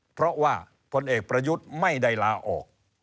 เพราะว่าพลเอกประยุทธ์ไม่ได้ลาออก